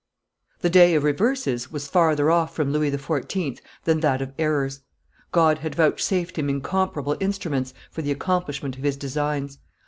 The day of reverses was farther off from Louis XIV. than that of errors. God had vouchsafed him incomparable instruments for the accomplishment of his designs.